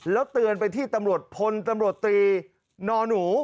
แล้วเตือนไปที่ตำรวจพลตำรวจตรีนอนหนู